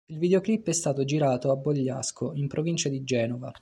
Il videoclip è stato girato a Bogliasco, in provincia di Genova.